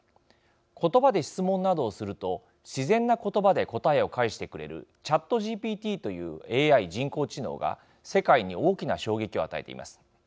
言葉で質問などをすると自然な言葉で答えを返してくれるＣｈａｔＧＰＴというＡＩ＝人工知能が世界に大きな衝撃を与えています。